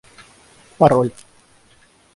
Пароль